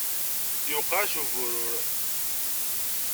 Yuqeɛ-as uburur.